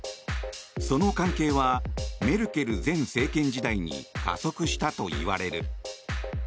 その関係はメルケル前政権時代に加速したといわれる。